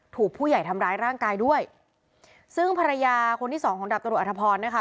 ถูกผู้ใหญ่ทำร้ายร่างกายด้วยซึ่งภรรยาคนที่สองของดาบตำรวจอธพรนะคะ